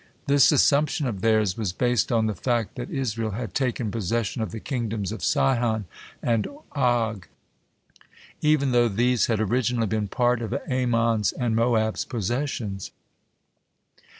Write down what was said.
This assumption of theirs was based on the fact the Israel had taken possession of the kingdoms of Sihon and Og, even though these had originally been part of Ammon's and Moab's possessions.